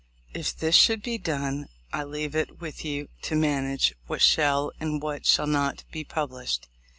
t . If this should be done, I leave it with you to manage what shall and what shall not be published.